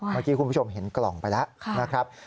เมื่อกี้คุณผู้ชมเห็นกล่องไปแล้วนะครับ